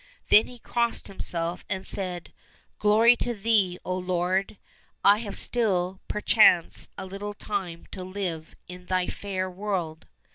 Then he crossed himself and said, " Glory to Thee, O Lord ! I have still, perchance, a little time to live in Thy fair world